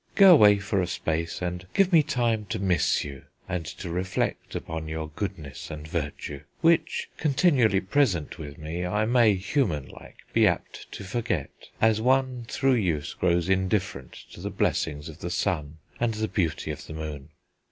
Go away for a space and give me time to miss you, and to reflect upon your goodness and virtue, which, continually present with me, I may, human like, be apt to forget, as one, through use, grows indifferent to the blessing of the sun and the beauty of the moon.